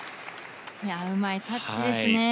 うまいタッチですね。